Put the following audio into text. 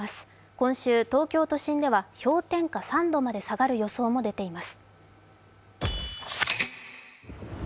今週、東京都心では氷点下３度まで下がる予想も出ています。